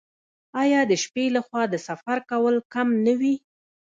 آیا د شپې لخوا د سفر کول کم نه وي؟